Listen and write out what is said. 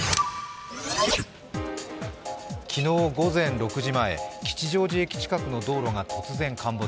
昨日、午前６時前、吉祥寺駅近くの道路が突然陥没。